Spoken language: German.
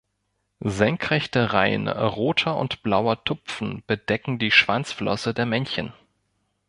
Senkrechte Reihen roter und blauer Tupfen bedecken die Schwanzflosse der Männchen.